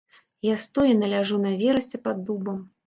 Я стоена ляжу на верасе пад дубам.